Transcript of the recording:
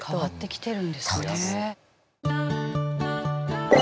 そうです。